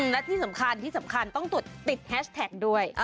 และที่สำคัญต้องตรวจติดแฮชแท็กด้วย